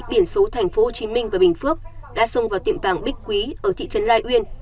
biển số tp hcm và bình phước đã xông vào tiệm vàng bích quý ở thị trấn lai uyên